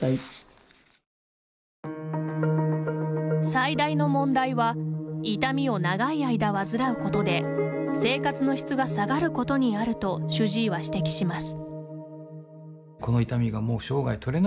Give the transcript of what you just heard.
最大の問題は痛みを長い間患うことで生活の質が下がることにあると主治医は指摘します。